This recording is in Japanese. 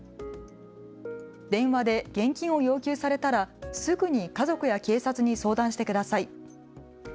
電話で現金を要求されたらすぐに家族や警察に相談してください。